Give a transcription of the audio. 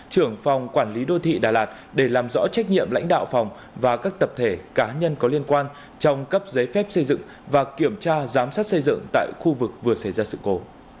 trưởng phòng quản lý đô thị đà lạt để làm rõ trách nhiệm lãnh đạo phòng và các tập thể cá nhân có liên quan trong cấp giấy phép xây dựng và kiểm tra giám sát xây dựng tại khu vực vừa xảy ra sự cố